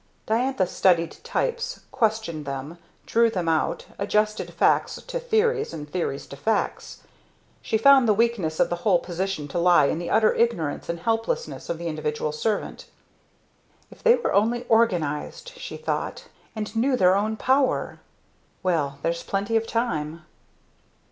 Diantha studied types, questioned them, drew them out, adjusted facts to theories and theories to facts. She found the weakness of the whole position to lie in the utter ignorance and helplessness of the individual servant. "If they were only organized," she thought "and knew their own power! Well; there's plenty of time."